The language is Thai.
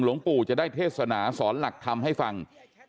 หลวงปู่จะได้เทศนาสอนหลักธรรมให้ฟัง